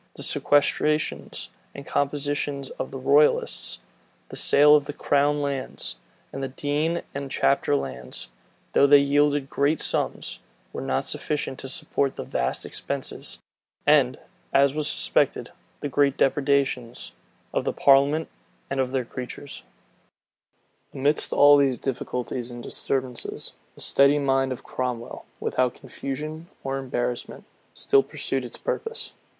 The sequestrations and compositions of the royalists, the sale of the crown lands, and of the dean and chapter lands, though they yielded great sums, were not sufficient to support the vast expenses, and, as was suspected, the great depredations, of the parliament and of their creatures.[*] * History of Independency, part ii. Parl. History, vol. xix. p. 136, 176. Amidst all these difficulties and disturbances, the steady mind of Cromwell, without confusion or embarrassment, still pursued its purpose.